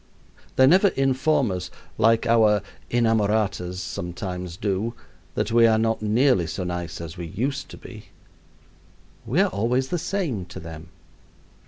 They never inform us, like our inamoratas sometimes do, that we are not nearly so nice as we used to be. We are always the same to them.